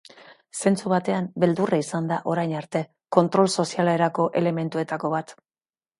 Zentzu batean, beldurra izan da orain arte kontrol sozialerako elementuetako bat.